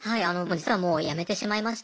実はもう辞めてしまいまして。